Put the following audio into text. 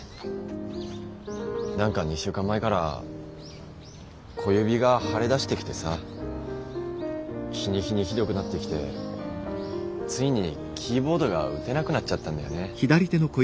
何か２週間前から小指が腫れだしてきてさ日に日にひどくなってきてついにキーボードが打てなくなっちゃったんだよね。